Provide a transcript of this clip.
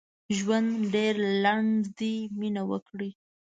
ژوند ډېر لنډ دي مينه وکړئ